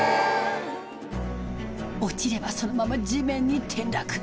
落ちればそのまま地面に転落。